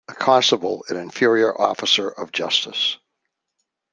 A constable an inferior officer of justice.